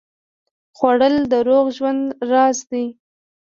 خوړل د روغ ژوند راز دی